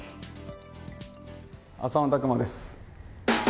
浅野拓磨です。